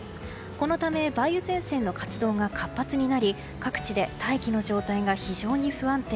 このため、梅雨前線の活動が活発になり各地で大気の状態が非常に不安定。